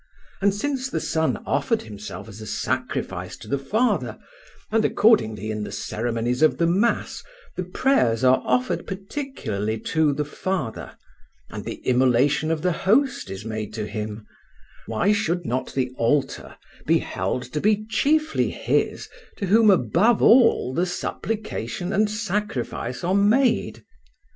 And since the Son offered Himself as a sacrifice to the Father, and accordingly in the ceremonies of the mass the prayers are offered particularly to the Father, and the immolation of the Host is made to Him, why should the altar not be held to be chiefly His to whom above all the supplication and sacrifice are made?